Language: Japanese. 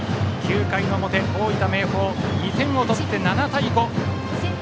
９回の表、大分・明豊２点を取って７対５。